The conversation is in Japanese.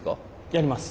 やります。